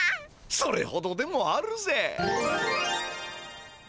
それほどでもあるぜ。